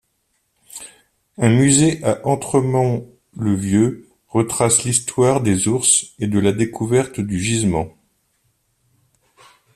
Un musée à Entremont-le-Vieux retrace l'histoire des ours et de la découverte du gisement.